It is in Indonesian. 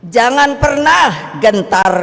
jangan pernah gentar